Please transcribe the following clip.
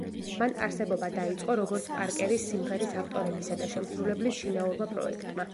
მან არსებობა დაიწყო, როგორც პარკერის, სიმღერის ავტორების და შემსრულებლის შინაურმა პროექტმა.